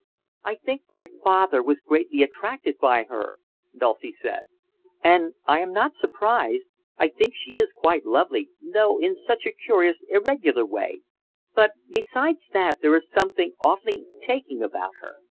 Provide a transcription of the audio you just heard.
"I think my father was greatly attracted by her," Dulcie said, "and I am not surprised. I think she is quite lovely, though in such a curious, irregular way; but besides that there is something awfully 'taking' about her.